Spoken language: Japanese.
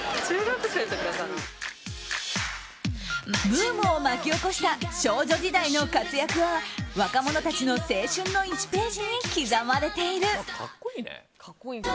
ブームを巻き起こした少女時代の活躍は若者たちの青春の１ページに刻まれている。